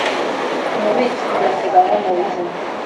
Umubitsi zizateganywa mu buzima